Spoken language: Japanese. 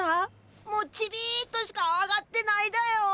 もうちびっとしか上がってないだよ。